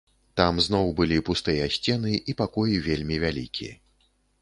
Там зноў былі пустыя сцены і пакой вельмі вялікі.